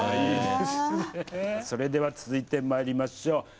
それでは続いてまいりましょう。